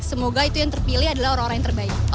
semoga itu yang terpilih adalah orang orang yang terbaik